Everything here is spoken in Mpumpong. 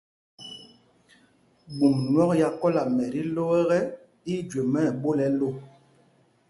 Ɓum nyɔk ya kɔla mɛ tí ló ekɛ, í í jüe mɛ́ ɛɓol ɛ lō.